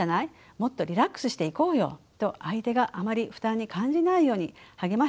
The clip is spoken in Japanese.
もっとリラックスしていこうよ」と相手があまり負担に感じないように励ましているようにも聞こえます。